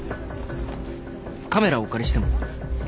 カメラお借りしても？